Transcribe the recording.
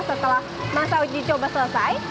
setelah masa uji coba selesai